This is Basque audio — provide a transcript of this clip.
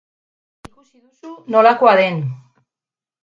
Ikusi duzu nolakoa den.